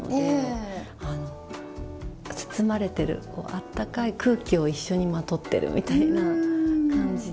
あったかい空気を一緒にまとってるみたいな感じで。